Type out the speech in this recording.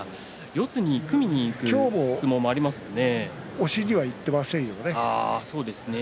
四つに組みにいく相撲もありますね。